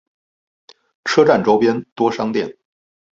车站周边多商店。